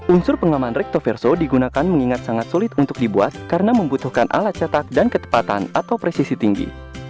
unsur pengaman rektoverso digunakan mengingat sangat sulit untuk dibuat karena membutuhkan alat cetak dan ketepatan atau presisi tinggi